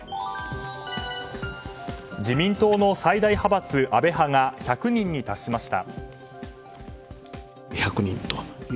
自民党の最大派閥・安倍派が１００人に達しました。